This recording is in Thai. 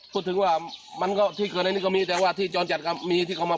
พูดถึงว่ามันก็ที่เกิดในนี้ก็มีแต่ว่าที่จรจัดก็มีที่เขามา